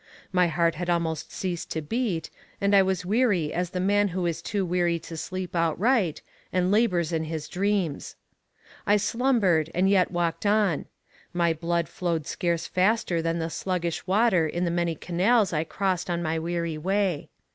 My heart had almost ceased to beat, and I was weary as the man who is too weary to sleep outright, and labours in his dreams. I slumbered and yet walked on. My blood flowed scarce faster than the sluggish water in the many canals I crossed on my weary way.